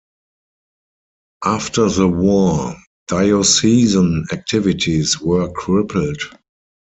After the war diocesan activities were crippled.